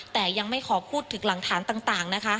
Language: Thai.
แต่ยังไม่ขอพูดถึงหลักฐานต่างนะคะ